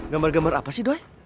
gambar gambar apa sih doy